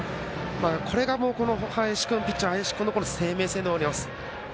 これがピッチャー、林君の生命線でもあります。